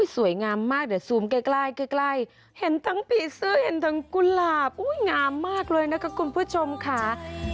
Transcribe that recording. สวยงามมากเดี๋ยวซูมใกล้ใกล้เห็นทั้งผีเสื้อเห็นทั้งกุหลาบอุ้ยงามมากเลยนะคะคุณผู้ชมค่ะ